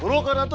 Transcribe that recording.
buruk kak datu